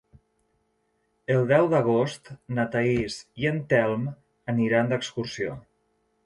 El deu d'agost na Thaís i en Telm aniran d'excursió.